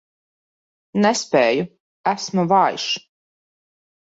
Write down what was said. Nespēju, esmu vājš.